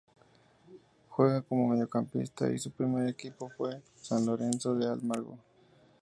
Juega como mediocampista y su primer equipo fue San Lorenzo de Almagro.